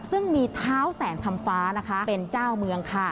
ซึ่งมีเท้าแสงคำฟ้านะคะเป็นเจ้าเมืองค่ะ